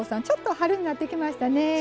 ちょっと春になってきましたね。